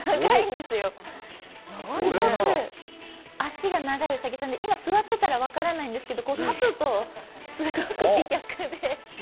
すごく脚が長いうさぎさんで座っているから分からないけど、立つとすごく美脚で。